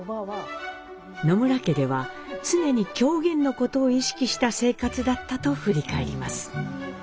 野村家では常に狂言のことを意識した生活だったと振り返ります。